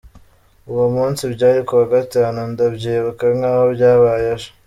Uwo munsi byari ku wa gatanu ndabyibuka nk’aho byabaye ejo.